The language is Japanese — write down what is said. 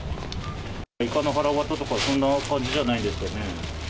イカのはらわたとかそんな感じじゃないですかね。